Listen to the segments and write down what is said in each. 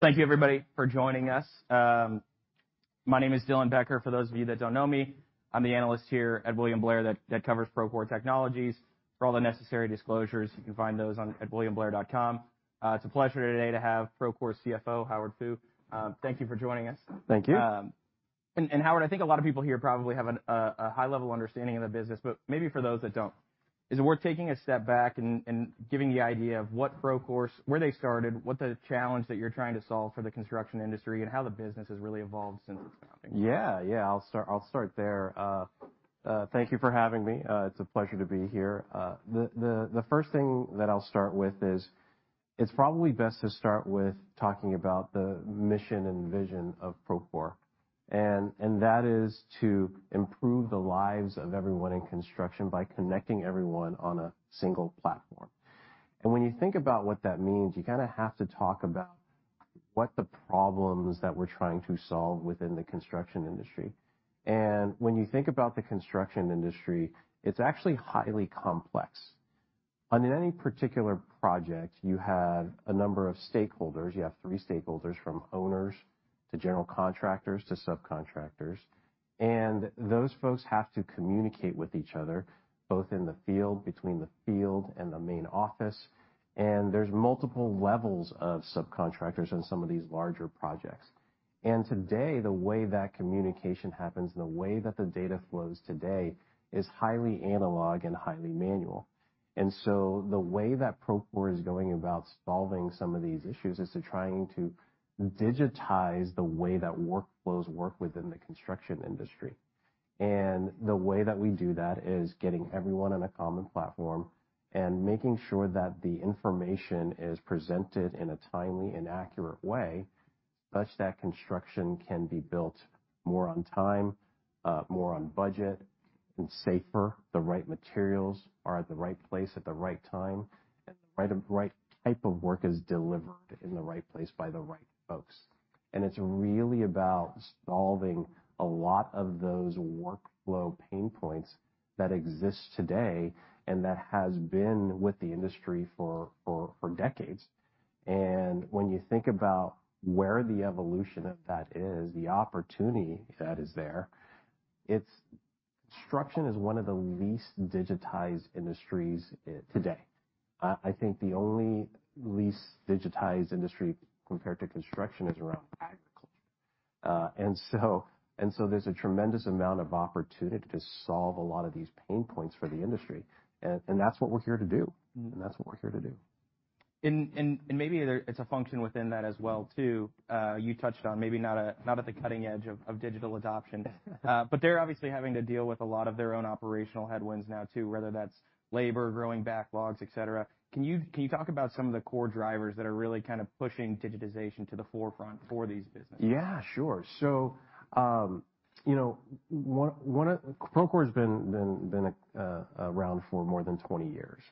Thank you, everybody, for joining us. My name is Dylan Becker. For those of you that don't know me, I'm the analyst here at William Blair that covers Procore Technologies. For all the necessary disclosures, you can find those on, at williamblair.com. It's a pleasure today to have Procore's CFO, Howard Fu. Thank you for joining us. Thank you. Howard, I think a lot of people here probably have a high-level understanding of the business, but maybe for those that don't, is it worth taking a step back and giving the idea of what Procore, where they started, what the challenge that you're trying to solve for the construction industry, and how the business has really evolved since its founding? Yeah, yeah. I'll start there. Thank you for having me. It's a pleasure to be here. The first thing that I'll start with is, it's probably best to start with talking about the mission and vision of Procore, and that is to improve the lives of everyone in construction by connecting everyone on a single platform. When you think about what that means, you kinda have to talk about what the problems that we're trying to solve within the construction industry. When you think about the construction industry, it's actually highly complex. On any particular project, you have a number of stakeholders. You have three stakeholders, from owners to general contractors to subcontractors, those folks have to communicate with each other, both in the field, between the field and the main office, there's multiple levels of subcontractors on some of these larger projects. Today, the way that communication happens, and the way that the data flows today, is highly analog and highly manual. The way that Procore is going about solving some of these issues is to trying to digitize the way that workflows work within the construction industry. The way that we do that is getting everyone on a common platform and making sure that the information is presented in a timely and accurate way, such that construction can be built more on time, more on budget, and safer. The right materials are at the right place at the right time, the right type of work is delivered in the right place by the right folks. It's really about solving a lot of those workflow pain points that exist today, and that has been with the industry for decades. When you think about where the evolution of that is, the opportunity that is there, it's. Construction is one of the least digitized industries today. I think the only least digitized industry compared to construction is around agriculture. So there's a tremendous amount of opportunity to solve a lot of these pain points for the industry, and that's what we're here to do. Mm-hmm. That's what we're here to do. Maybe there it's a function within that as well, too. You touched on maybe not at the cutting edge of digital adoption, but they're obviously having to deal with a lot of their own operational headwinds now, too, whether that's labor, growing backlogs, et cetera. Can you talk about some of the core drivers that are really kind of pushing digitization to the forefront for these businesses? Yeah, sure. You know, one of... Procore's been around for more than 20 years,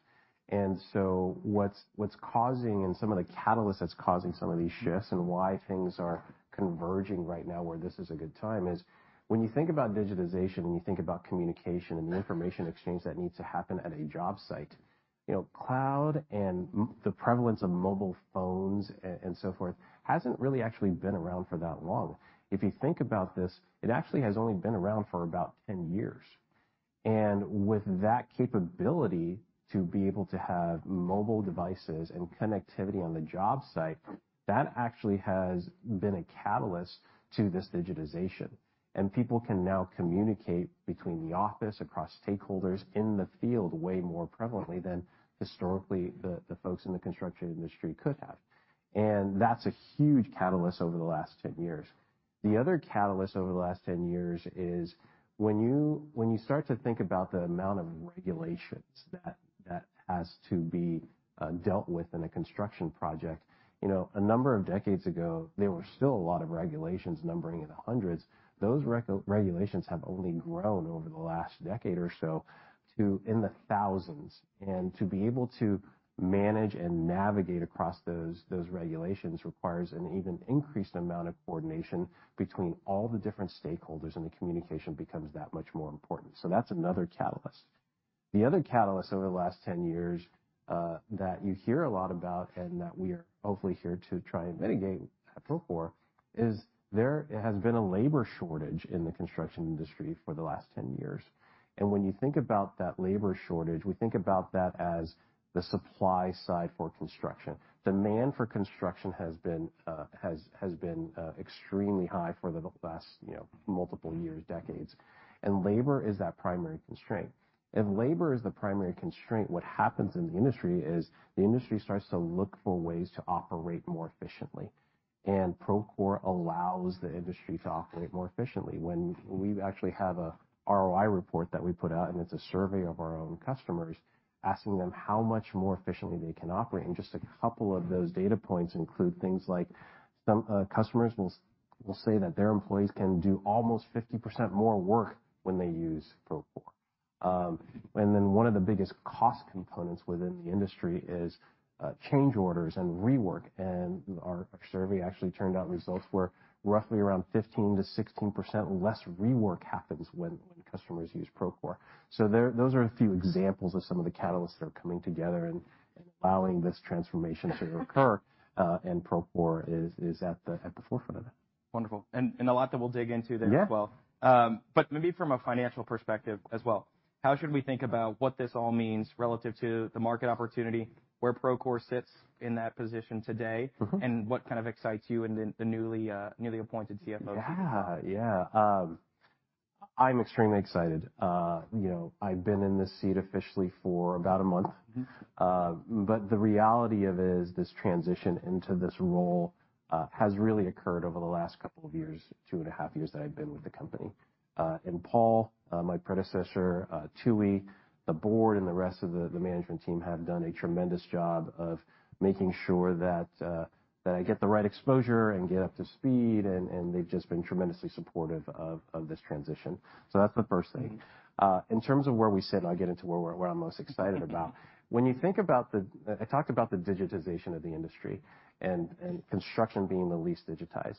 and so what's causing and some of the catalysts that's causing some of these shifts and why things are converging right now, where this is a good time is, when you think about digitization, and you think about communication and the information exchange that needs to happen at a job site, you know, cloud and the prevalence of mobile phones and so forth, hasn't really actually been around for that long. If you think about this, it actually has only been around for about 10 years. With that capability to be able to have mobile devices and connectivity on the job site, that actually has been a catalyst to this digitization. People can now communicate between the office, across stakeholders in the field, way more prevalently than historically, the folks in the construction industry could have. That's a huge catalyst over the last 10 years. The other catalyst over the last 10 years is when you start to think about the amount of regulations that has to be dealt with in a construction project, you know, a number of decades ago, there were still a lot of regulations numbering in the hundreds. Those regulations have only grown over the last decade or so to in the thousands, and to be able to manage and navigate across those regulations requires an even increased amount of coordination between all the different stakeholders, and the communication becomes that much more important. That's another catalyst. The other catalyst over the last 10 years, that you hear a lot about and that we are hopefully here to try and mitigate at Procore, is there has been a labor shortage in the construction industry for the last 10 years. When you think about that labor shortage, we think about that as the supply side for construction. Demand for construction has been extremely high for the last, you know, multiple years, decades, and labor is that primary constraint. If labor is the primary constraint, what happens in the industry is the industry starts to look for ways to operate more efficiently, and Procore allows the industry to operate more efficiently. When we actually have a ROI report that we put out. It's a survey of our own customers, asking them how much more efficiently they can operate, and just a couple of those data points include things like some customers will say that their employees can do almost 50% more work when they use Procore. One of the biggest cost components within the industry is change orders and rework. Our survey actually turned out results were roughly around 15%-16% less rework happens when customers use Procore. There, those are a few examples of some of the catalysts that are coming together allowing this transformation to occur, and Procore is at the forefront of it. Wonderful. A lot that we'll dig into there as well. Yeah. Maybe from a financial perspective as well, how should we think about what this all means relative to the market opportunity, where Procore sits in that position today? Mm-hmm. What kind of excites you and the newly appointed CFO? Yeah. Yeah. I'm extremely excited. you know, I've been in this seat officially for about a month. Mm-hmm. The reality of it is, this transition into this role has really occurred over the last couple of years, two and a half years that I've been with the company. Paul, my predecessor, Tooey, the board, and the rest of the management team have done a tremendous job of making sure that I get the right exposure and get up to speed, and they've just been tremendously supportive of this transition. That's the first thing. Mm-hmm. In terms of where we sit, and I'll get into what I'm most excited about. Mm-hmm. When you think about the I talked about the digitization of the industry and construction being the least digitized.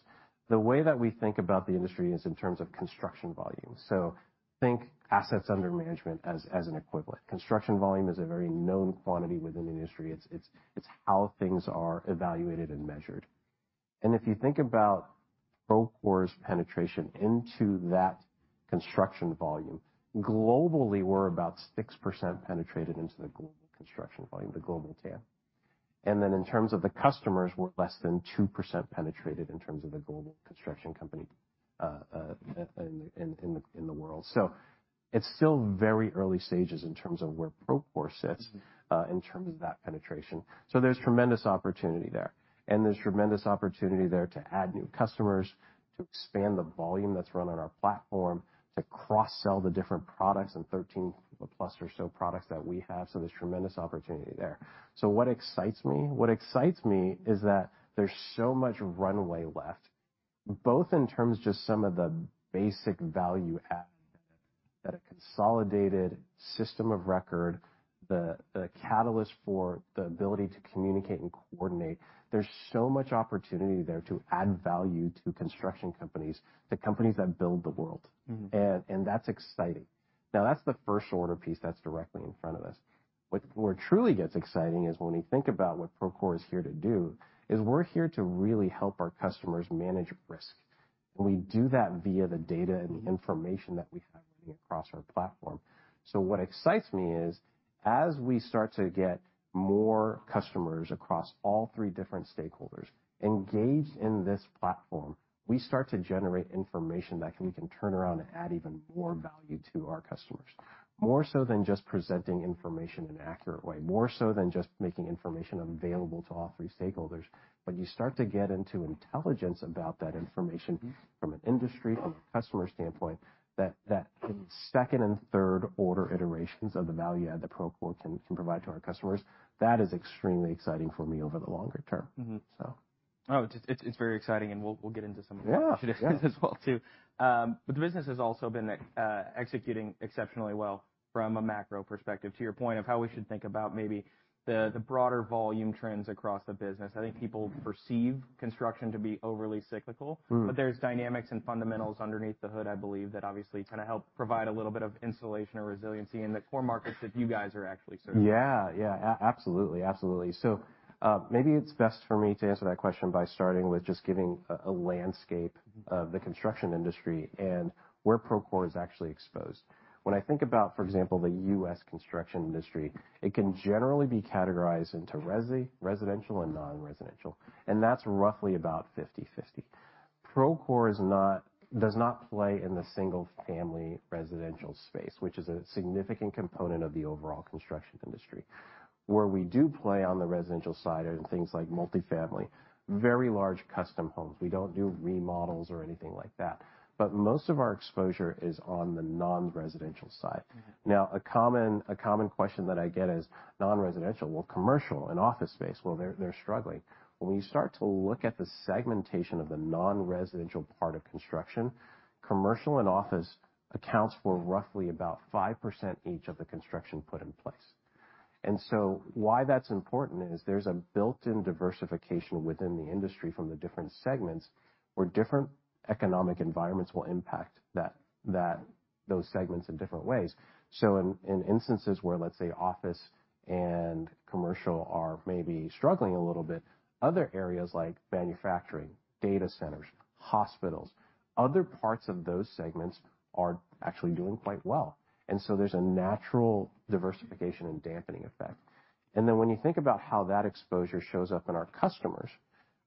The way that we think about the industry is in terms of construction volume, so think assets under management as an equivalent. Construction volume is a very known quantity within the industry. It's how things are evaluated and measured. If you think about Procore's penetration into that construction volume, globally, we're about 6% penetrated into the global construction volume, the global TAM. Then in terms of the customers, we're less than 2% penetrated in terms of the global construction company in the world. It's still very early stages in terms of where Procore sits. Mm-hmm. In terms of that penetration, there's tremendous opportunity there. There's tremendous opportunity there to add new customers, to expand the volume that's run on our platform, to cross-sell the different products and 13+ or so products that we have, there's tremendous opportunity there. What excites me? What excites me is that there's so much runway left, both in terms of just some of the basic value add, that a consolidated system of record, the catalyst for the ability to communicate and coordinate. There's so much opportunity there to add value to construction companies, the companies that build the world. Mm-hmm. That's exciting. That's the first order piece that's directly in front of us. What more truly gets exciting is when we think about what Procore is here to do, is we're here to really help our customers manage risk. We do that via the data and the information that we have across our platform. What excites me is, as we start to get more customers across all three different stakeholders engaged in this platform, we start to generate information that we can turn around and add even more value to our customers, more so than just presenting information in an accurate way, more so than just making information available to all three stakeholders. When you start to get into intelligence about that information. Mm-hmm. -from an industry, from a customer standpoint, that second and third order iterations of the value add that Procore can provide to our customers, that is extremely exciting for me over the longer term. Mm-hmm. So. Oh, it's very exciting, and we'll get into some of that. Yeah, yeah. as well, too. The business has also been executing exceptionally well from a macro perspective. To your point of how we should think about maybe the broader volume trends across the business, I think people perceive construction to be overly cyclical. Mm. There's dynamics and fundamentals underneath the hood, I believe, that obviously kinda help provide a little bit of insulation or resiliency in the core markets that you guys are actually serving. Yeah. Yeah, absolutely. Absolutely. Maybe it's best for me to answer that question by starting with just giving a landscape of the construction industry and where Procore is actually exposed. When I think about, for example, the U.S. construction industry, it can generally be categorized into residential and non-residential, and that's roughly about 50/50. Procore does not play in the single-family residential space, which is a significant component of the overall construction industry. Where we do play on the residential side are in things like multifamily, very large custom homes. We don't do remodels or anything like that, most of our exposure is on the non-residential side. Mm-hmm. Now, a common question that I get is non-residential, well, commercial and office space, well, they're struggling. When you start to look at the segmentation of the non-residential part of construction, commercial and office accounts for roughly about 5% each of the construction put in place. Why that's important is there's a built-in diversification within the industry from the different segments, where different economic environments will impact that, those segments in different ways. In instances where, let's say, office and commercial are maybe struggling a little bit, other areas like manufacturing, data centers, hospitals, other parts of those segments are actually doing quite well, and so there's a natural diversification and dampening effect. When you think about how that exposure shows up in our customers,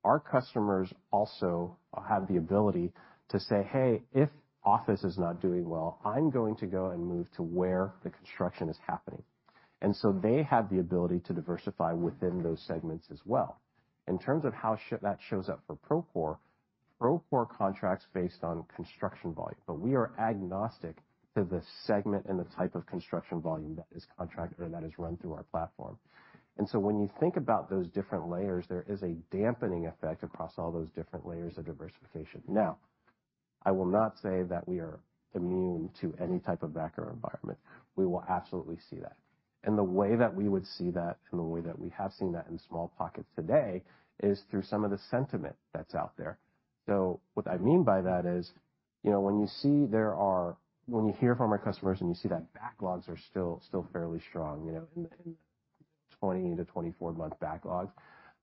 our customers also have the ability to say, "Hey, if office is not doing well, I'm going to go and move to where the construction is happening." They have the ability to diversify within those segments as well. In terms of how that shows up for Procore contracts based on construction volume, but we are agnostic to the segment and the type of construction volume that is contracted or that is run through our platform. When you think about those different layers, there is a dampening effect across all those different layers of diversification. I will not say that we are immune to any type of macro environment. We will absolutely see that. The way that we would see that, and the way that we have seen that in small pockets today, is through some of the sentiment that's out there. What I mean by that, you know, when you hear from our customers, and you see that backlogs are still fairly strong, you know, in 20 to 24-month backlogs,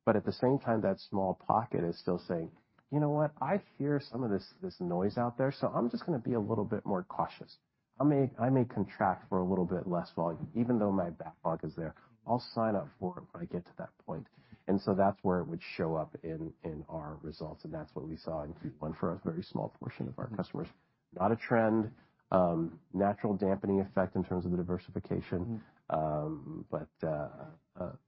but at the same time, that small pocket is still saying: "You know what? I hear some of this noise out there, so I'm just gonna be a little bit more cautious. I may contract for a little bit less volume, even though my backlog is there. I'll sign up for it when I get to that point. That's where it would show up in our results, and that's what we saw in Q1 for a very small portion of our customers. Not a trend, natural dampening effect in terms of the diversification. Mm-hmm.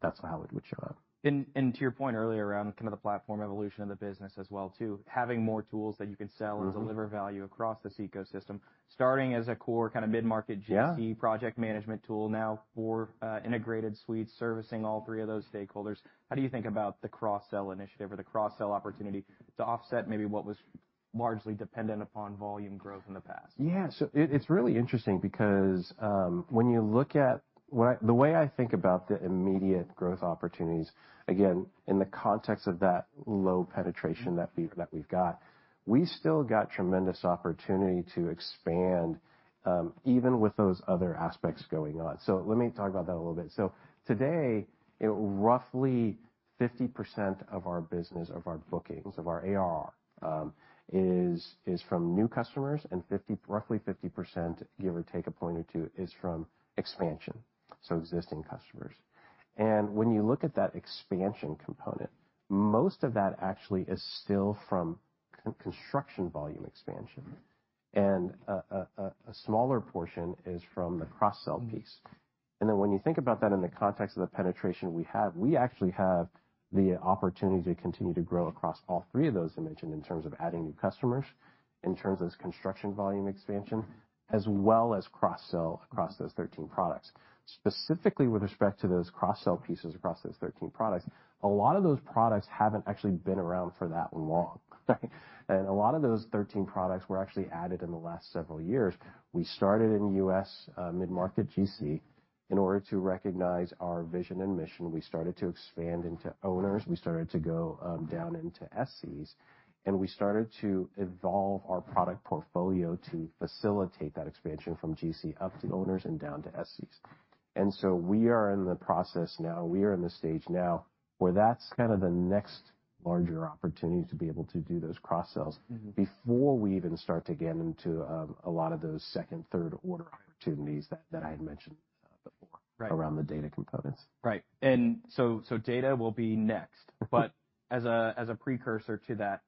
That's how it would show up. To your point earlier around kind of the platform evolution of the business as well, too, having more tools that you can sell-. Mm-hmm. -and deliver value across this ecosystem, starting as a core kind of mid-market GC- Yeah. -project management tool, now more, integrated suite, servicing all three of those stakeholders. How do you think about the cross-sell initiative or the cross-sell opportunity to offset maybe what was largely dependent upon volume growth in the past? It's really interesting because, when you look at the way I think about the immediate growth opportunities, again, in the context of that low penetration that we, that we've got, we've still got tremendous opportunity to expand, even with those other aspects going on. Let me talk about that a little bit. Today, roughly 50% of our business, of our bookings, of our ARR, is from new customers, and roughly 50%, give or take one or two, is from expansion, so existing customers. When you look at that expansion component, most of that actually is still from construction volume expansion. Mm-hmm. A smaller portion is from the cross-sell piece. Mm-hmm. When you think about that in the context of the penetration we have, we actually have the opportunity to continue to grow across all three of those I mentioned, in terms of adding new customers, in terms of construction volume expansion, as well as cross-sell across those 13 products. Specifically, with respect to those cross-sell pieces across those 13 products, a lot of those products haven't actually been around for that long, right? A lot of those 13 products were actually added in the last several years. We started in U.S. mid-market GC. In order to recognize our vision and mission, we started to expand into owners, we started to go down into SCs, and we started to evolve our product portfolio to facilitate that expansion from GC up to owners and down to SCs. We are in the process now, we are in the stage now, where that's kind of the next larger opportunity to be able to do those cross-sells. Mm-hmm. -before we even start to get into, a lot of those second, third order opportunities that I had mentioned, before- Right. around the data components. Right. So data will be next. Mm-hmm. As a precursor to that,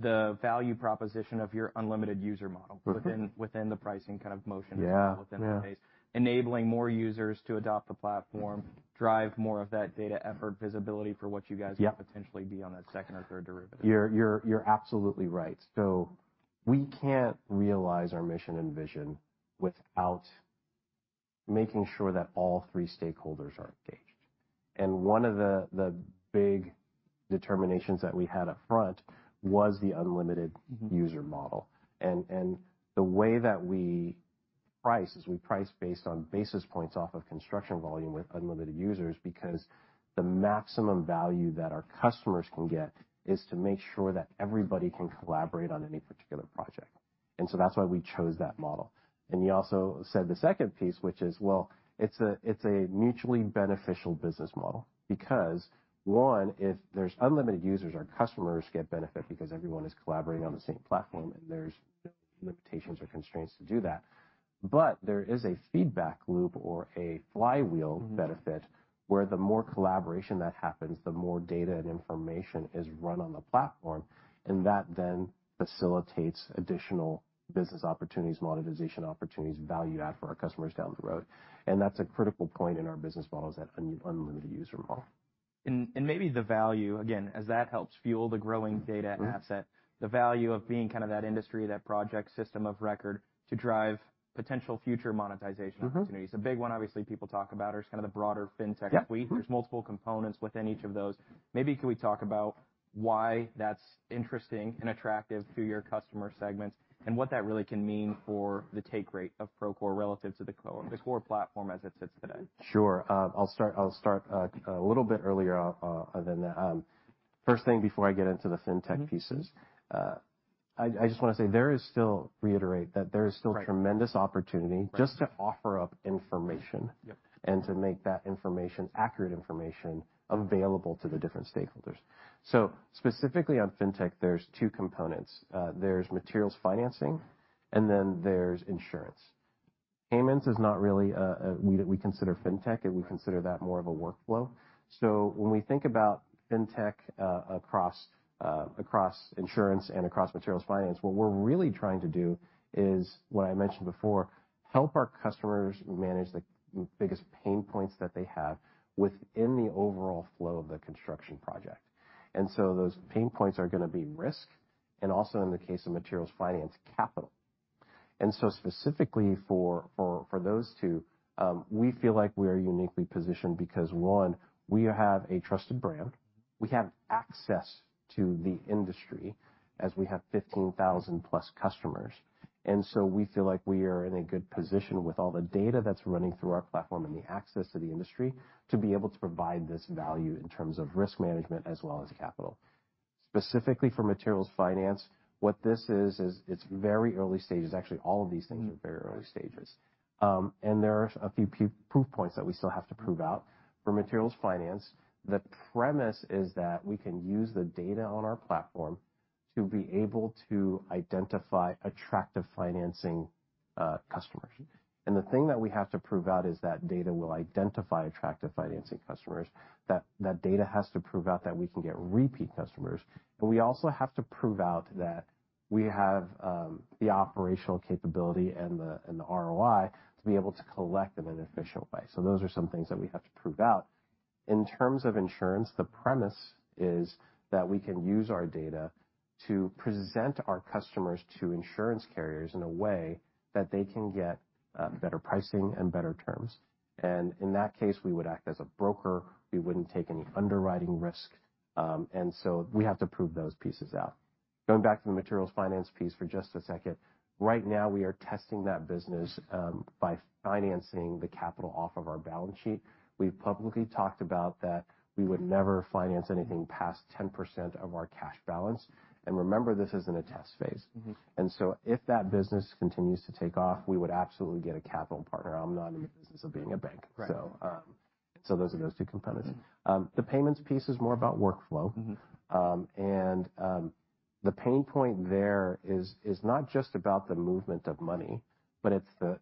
the value proposition of your unlimited user model. Mm-hmm. within the pricing kind of motion Yeah. As well, within that case, enabling more users to adopt the platform. Mm-hmm. drive more of that data effort, visibility for what you guys- Yep. would potentially be on that second or third derivative. You're absolutely right. We can't realize our mission and vision without making sure that all three stakeholders are engaged. One of the big determinations that we had up front was the unlimited- Mm-hmm. user model. The way that we price, is we price based on basis points off of construction volume with unlimited users, because the maximum value that our customers can get is to make sure that everybody can collaborate on any particular project, and so that's why we chose that model. You also said the second piece, which is, well, it's a mutually beneficial business model, because, one, if there's unlimited users, our customers get benefit because everyone is collaborating on the same platform, and there's no limitations or constraints to do that. There is a feedback loop or a flywheel benefit- Mm-hmm. where the more collaboration that happens, the more data and information is run on the platform, and that then facilitates additional business opportunities, monetization opportunities, value add for our customers down the road. That's a critical point in our business model, is that unlimited user model. maybe the value, again, as that helps fuel the growing data asset-... Mm-hmm. The value of being kind of that industry, that project system of record, to drive potential future monetization opportunities. Mm-hmm. A big one, obviously, people talk about is kind of the broader fintech suite. Yeah. Mm-hmm. There's multiple components within each of those. Maybe could we talk about why that's interesting and attractive to your customer segments, and what that really can mean for the take rate of Procore relative to the core platform as it sits today? Sure. I'll start a little bit earlier than that. First thing, before I get into the fintech pieces. Mm-hmm. I just wanna say, reiterate, that there is still. Right tremendous opportunity Right. Just to offer up information. Yep. and to make that information accurate information available to the different stakeholders. Specifically on fintech, there's two components. There's materials financing, and then there's insurance. Payments is not really a we consider fintech, and we consider that more of a workflow. When we think about fintech, across insurance and across materials finance, what we're really trying to do is, what I mentioned before, help our customers manage the biggest pain points that they have within the overall flow of the construction project. Those pain points are gonna be risk, and also in the case of materials, finance capital. Specifically for those two, we feel like we are uniquely positioned because, one, we have a trusted brand. We have access to the industry, as we have 15,000+ customers. We feel like we are in a good position with all the data that's running through our platform and the access to the industry, to be able to provide this value in terms of risk management as well as capital. Specifically for materials finance, what this is it's very early stages. All of these things are very early stages. There are a few proof points that we still have to prove out. For materials finance, the premise is that we can use the data on our platform to be able to identify attractive financing customers. The thing that we have to prove out is that data will identify attractive financing customers, that data has to prove out that we can get repeat customers, but we also have to prove out that we have the operational capability and the ROI to be able to collect them in an efficient way. Those are some things that we have to prove out. In terms of insurance, the premise is that we can use our data to present our customers to insurance carriers in a way that they can get better pricing and better terms. In that case, we would act as a broker. We wouldn't take any underwriting risk, we have to prove those pieces out. Going back to the materials finance piece for just a second, right now we are testing that business, by financing the capital off of our balance sheet. We've publicly talked about that we would never finance anything past 10% of our cash balance. Remember, this is in a test phase. Mm-hmm. If that business continues to take off, we would absolutely get a capital partner. I'm not in the business of being a bank. Right. Those are those two components. The payments piece is more about workflow. Mm-hmm. The pain point there is not just about the movement of money, but it's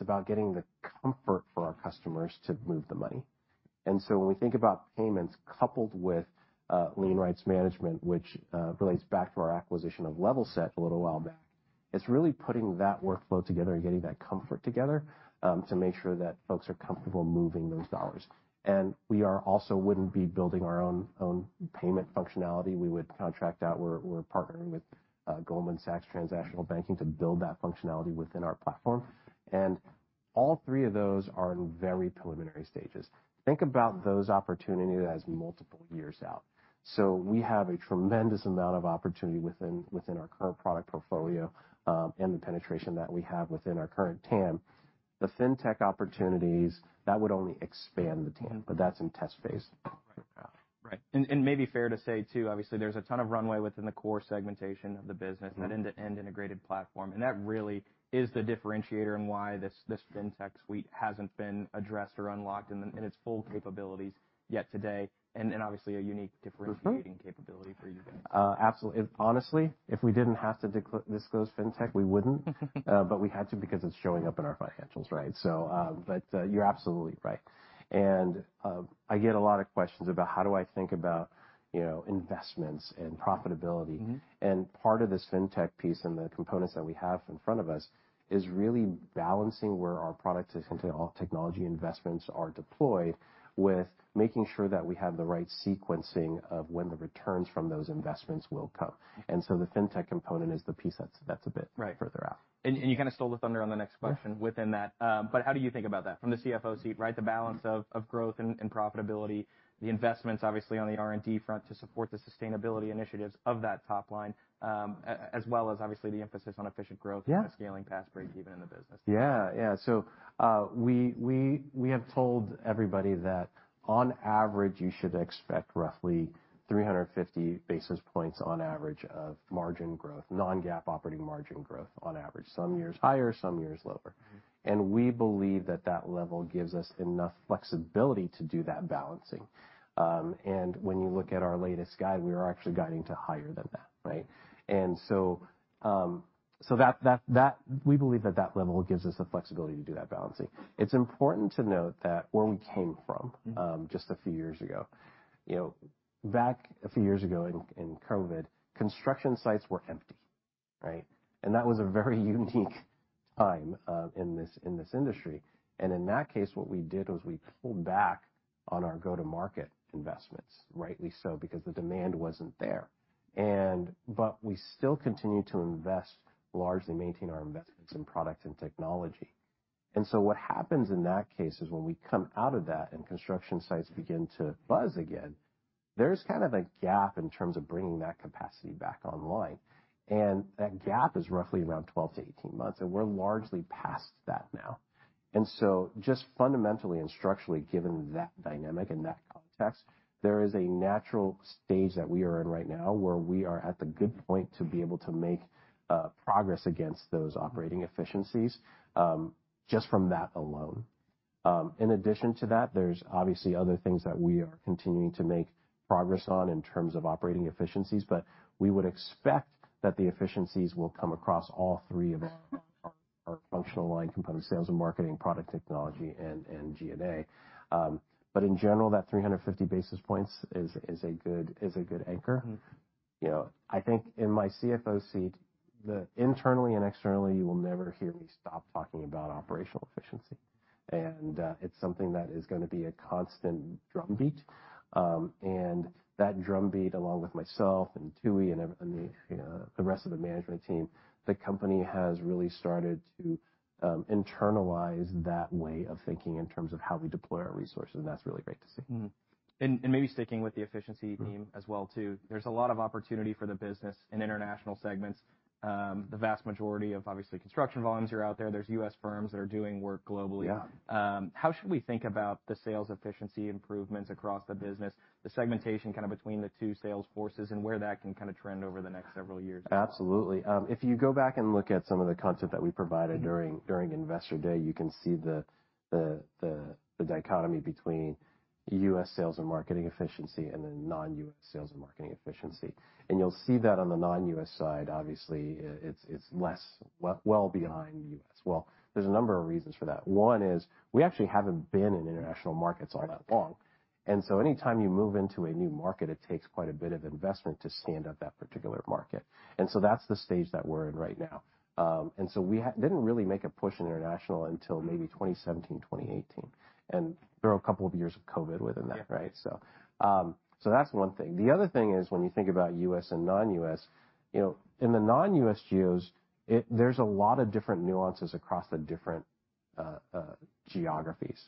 about getting the comfort for our customers to move the money. When we think about payments coupled with lien rights management, which relates back to our acquisition of Levelset a little while back, it's really putting that workflow together and getting that comfort together to make sure that folks are comfortable moving those dollars. We are also wouldn't be building our own payment functionality. We would contract out. We're partnering with Goldman Sachs Transaction Banking to build that functionality within our platform, and all three of those are in very preliminary stages. Think about those opportunities as multiple years out. We have a tremendous amount of opportunity within our current product portfolio, and the penetration that we have within our current TAM. The fintech opportunities, that would only expand the TAM, but that's in test phase. Right. Maybe fair to say, too, obviously, there's a ton of runway within the core segmentation of the business. Mm-hmm. -that end-to-end integrated platform, and that really is the differentiator in why this fintech suite hasn't been addressed or unlocked in its full capabilities yet today, and obviously a unique- Mm-hmm... differentiating capability for you guys. Absolutely. Honestly, if we didn't have to disclose fintech, we wouldn't. We had to because it's showing up in our financials, right? You're absolutely right. I get a lot of questions about how do I think about, you know, investments and profitability. Mm-hmm. Part of this fintech piece and the components that we have in front of us is really balancing where our product and technology investments are deployed, with making sure that we have the right sequencing of when the returns from those investments will come. The fintech component is the piece that's a bit. Right further out. You kind of stole the thunder on the next question. Yeah -within that. How do you think about that from the CFO seat, right? The balance of growth and profitability, the investments, obviously, on the R&D front to support the sustainability initiatives of that top line, as well as obviously, the emphasis on efficient growth? Yeah... and scaling past break even in the business. Yeah. Yeah. We have told everybody that on average, you should expect roughly 350 basis points on average of margin growth, non-GAAP operating margin growth on average. Some years higher, some years lower. Mm-hmm. We believe that level gives us enough flexibility to do that balancing. When you look at our latest guide, we are actually guiding to higher than that, right? We believe that level gives us the flexibility to do that balancing. It's important to note that where we came from- Mm-hmm... just a few years ago, you know, back a few years ago in COVID, construction sites were empty, right. That was a very unique time in this industry. In that case, what we did was we pulled back on our go-to-market investments, rightly so, because the demand wasn't there. But we still continued to invest, largely maintain our investments in product and technology. What happens in that case is when we come out of that and construction sites begin to buzz again, there's kind of a gap in terms of bringing that capacity back online, and that gap is roughly around 12 to 18 months, and we're largely past that now. Just fundamentally and structurally, given that dynamic and that context, there is a natural stage that we are in right now, where we are at the good point to be able to make progress against those operating efficiencies, just from that alone. In addition to that, there's obviously other things that we are continuing to make progress on in terms of operating efficiencies, but we would expect that the efficiencies will come across all three of our functional line components: sales and marketing, product technology, and G&A. In general, that 350 basis points is a good anchor. Mm-hmm. You know, I think in my CFO seat, the internally and externally, you will never hear me stop talking about operational efficiency. It's something that is gonna be a constant drumbeat. That drumbeat, along with myself and Tooey, and the rest of the management team, the company has really started to internalize that way of thinking in terms of how we deploy our resources, and that's really great to see. Mm-hmm. maybe sticking with the efficiency theme. Mm-hmm -as well, too. There's a lot of opportunity for the business in international segments. The vast majority of obviously construction volumes are out there. There's U.S. firms that are doing work globally. Yeah. How should we think about the sales efficiency improvements across the business, the segmentation kind of between the two sales forces, and where that can kind of trend over the next several years? Absolutely. If you go back and look at some of the content that we provided. Mm-hmm during Investor Day, you can see the dichotomy between U.S. sales and marketing efficiency and then non-U.S. sales and marketing efficiency. You'll see that on the non-U.S. side, obviously, it's less... Well, behind the U.S. Well, there's a number of reasons for that. One is, we actually haven't been in international markets all that long. Right. Anytime you move into a new market, it takes quite a bit of investment to stand up that particular market, and so that's the stage that we're in right now. We didn't really make a push in international until maybe 2017, 2018, and there were a couple of years of COVID within that. Yeah. Right? so that's one thing. The other thing is, when you think about U.S. and non-U.S., you know, in the non-U.S. geos, there's a lot of different nuances across the different geographies,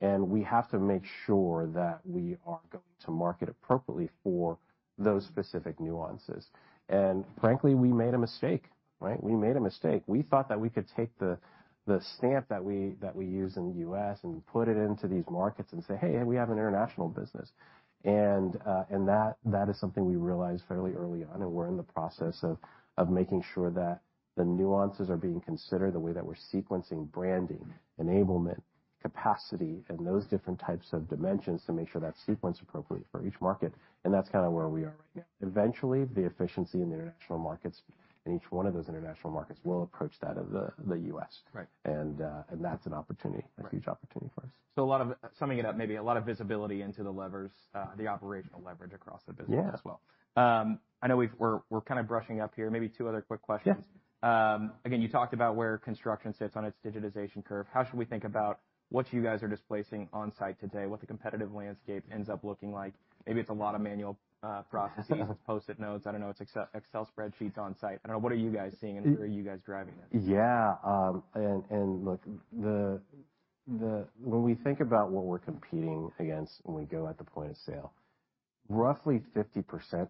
and we have to make sure that we are going to market appropriately for those specific nuances. Frankly, we made a mistake, right? We made a mistake. We thought that we could take the stamp that we use in the U.S. and put it into these markets and say, "Hey, we have an international business." That is something we realized fairly early on, and we're in the process of making sure that the nuances are being considered, the way that we're sequencing branding, enablement, capacity, and those different types of dimensions to make sure that's sequenced appropriately for each market, and that's kind of where we are right now. Eventually, the efficiency in the international markets, in each one of those international markets, will approach that of the U.S. Right. that's an opportunity- Right a huge opportunity for us. Summing it up, maybe a lot of visibility into the levers, the operational leverage across the business as well. Yeah. I know we're kind of brushing up here. Maybe two other quick questions. Yeah. Again, you talked about where construction sits on its digitization curve. How should we think about what you guys are displacing on-site today, what the competitive landscape ends up looking like? Maybe it's a lot of manual processes, Post-it notes, I don't know, it's Excel spreadsheets on site. I don't know, what are you guys seeing, and where are you guys driving this? Yeah, look, when we think about what we're competing against when we go at the point of sale, roughly 50%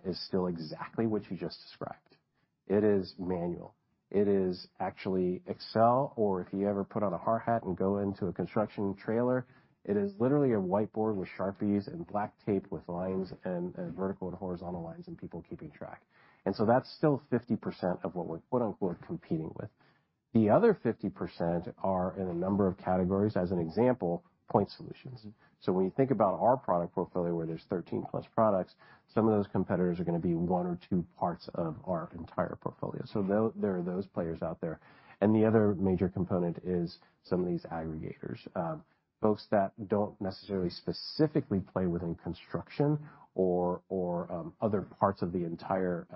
is still exactly what you just described. It is manual. It is actually Excel, or if you ever put on a hard hat and go into a construction trailer, it is literally a whiteboard with Sharpies and black tape with lines and vertical and horizontal lines and people keeping track. That's still 50% of what we're, quote-unquote, competing with. The other 50% are in a number of categories. As an example, point solutions. Mm-hmm. When you think about our product portfolio, where there's 13+ products, some of those competitors are gonna be one or two parts of our entire portfolio, so there are those players out there. The other major component is some of these aggregators. Folks that don't necessarily specifically play within construction or, other parts of the entire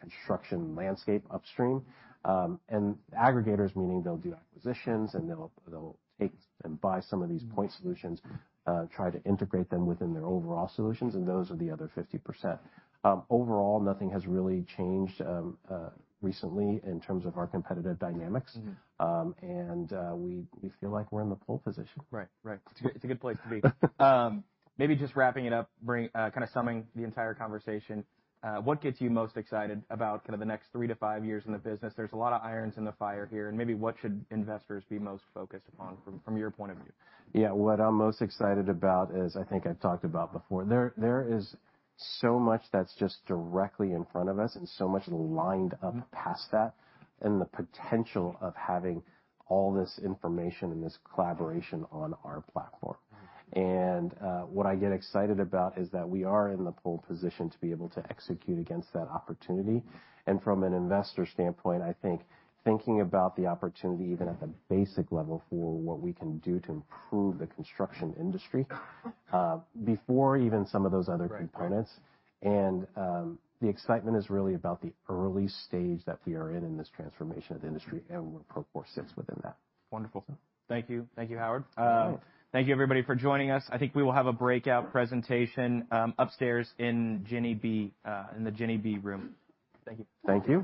construction landscape upstream. Aggregators, meaning they'll do acquisitions, and they'll take and buy some of these point solutions, try to integrate them within their overall solutions, and those are the other 50%. Overall, nothing has really changed recently in terms of our competitive dynamics. Mm-hmm. We feel like we're in the pole position. Right. Right. It's a, it's a good place to be. Maybe just wrapping it up, kind of summing the entire conversation, what gets you most excited about kind of the next three to five years in the business? There's a lot of irons in the fire here, and maybe, what should investors be most focused on from your point of view? Yeah. What I'm most excited about is, I think I've talked about before, there is so much that's just directly in front of us and so much lined up... Mm-hmm past that, and the potential of having all this information and this collaboration on our platform. Mm-hmm. What I get excited about is that we are in the pole position to be able to execute against that opportunity. From an investor standpoint, I think thinking about the opportunity, even at the basic level, for what we can do to improve the construction industry, before even some of those other components. Right. Right. The excitement is really about the early stage that we are in in this transformation of the industry, and where Procore sits within that. Wonderful. Thank you. Thank you, Howard. Yeah. Thank you everybody for joining us. I think we will have a breakout presentation, upstairs in Jenny B, in the Jenny B room. Thank you. Thank you.